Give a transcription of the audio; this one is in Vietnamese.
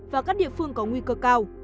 và các địa phương có nguy cơ cao